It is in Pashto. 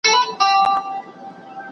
که پولیس هڅه وکړي غل نیسي.